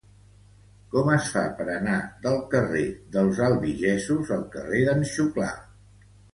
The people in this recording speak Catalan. Com es fa per anar del carrer dels Albigesos al carrer d'en Xuclà?